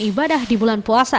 ibadah di bulan puasa